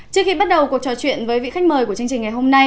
trước khi bắt đầu cuộc trò chuyện với vị khách mời của chương trình ngày hôm nay